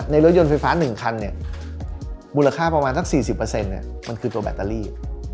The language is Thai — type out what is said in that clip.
รถยนต์ไฟฟ้า๑คันมูลค่าประมาณสัก๔๐มันคือตัวแบตเตอรี่